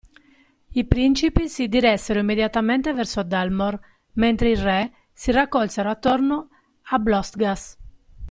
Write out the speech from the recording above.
I principi si diressero immediatamente verso Dalmor, mentre i re si raccolsero attorno a Blostgas.